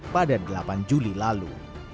pada delapan juli lalu